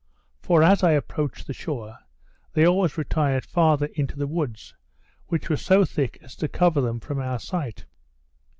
For as I approached the shore, they always retired farther into the woods, which were so thick as to cover them from our sight.